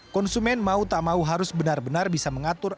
konsumen mau tak mau harus benar benar bisa mengatur